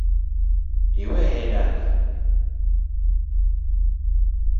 Iweye dala?